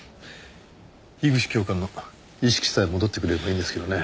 樋口教官の意識さえ戻ってくれればいいんですけどね。